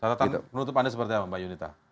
satu satunya menutup anda seperti apa pak yunita